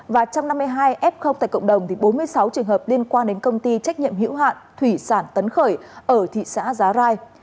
và trong năm mươi hai f tại cộng đồng thì bốn mươi sáu trường hợp liên quan đến công ty trách nhiệm hữu hạn thủy sản tấn khởi ở thị xã giá rai